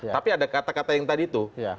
tapi ada kata kata yang tadi itu